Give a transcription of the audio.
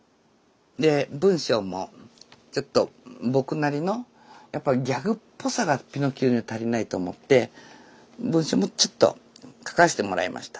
で文章もちょっと僕なりのやっぱりギャグっぽさが「ピノッキオ」には足りないと思って文章もちょっと書かせてもらいました。